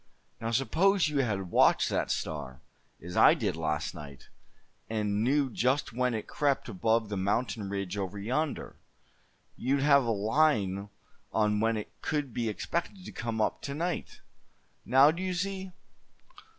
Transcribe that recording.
Now suppose you had watched that star, as I did last night, and knew just when it crept above that mountain ridge over yonder; you'd have a line on when it could be expected to come up to night. Now do you see?"